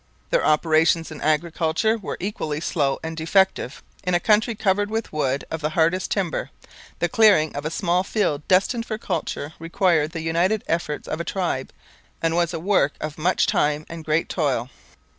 ...Their operations in agriculture were equally slow and defective. In a country covered with woods of the hardest timber, the clearing of a small field destined for culture required the united efforts of a tribe, and was a work of much time and great toil.'